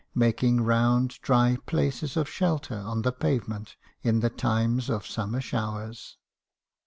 making round dry places of shelter on the pavement in the times of summer showers.